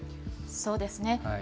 そうですね。